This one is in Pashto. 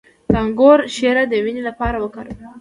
د انګور شیره د وینې لپاره وکاروئ